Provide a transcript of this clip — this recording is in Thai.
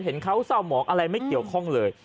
เห็นเขาเศร้าหมองอะไรไม่เกี่ยวข้องเลย